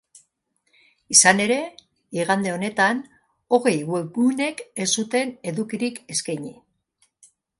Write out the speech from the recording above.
Izan ere, igande honetan hogei webgunek ez zuten edukirik eskaini.